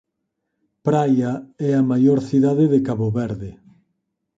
Praia é a maior cidade de Cabo Verde.